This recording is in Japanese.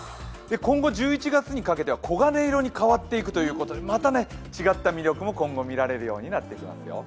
今後１１月にかけては黄金色に変わっていくということで、また違った魅力も今後見られるようになってきますよ。